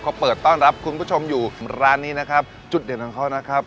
เขาเปิดต้อนรับคุณผู้ชมอยู่ร้านนี้นะครับจุดเด่นของเขานะครับ